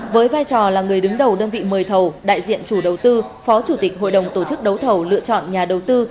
với vai trò là người đứng đầu đơn vị mời thầu đại diện chủ đầu tư phó chủ tịch hội đồng tổ chức đấu thầu lựa chọn nhà đầu tư